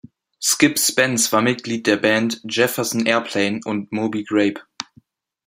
Skip Spence war Mitglied der Bands Jefferson Airplane und Moby Grape.